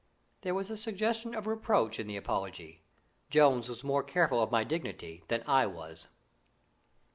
There was a suggestion of reproach in the apology. Jones was more careful of my dignity than I was.